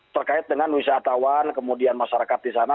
terkait dengan wisatawan kemudian masyarakat di sana